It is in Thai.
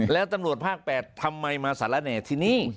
แล้วตำรวจภาค๘ทำไมมาสารแหน่ที่นี่